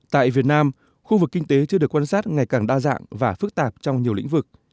tại việt nam khu vực kinh tế chưa được quan sát ngày càng đa dạng và phức tạp trong nhiều lĩnh vực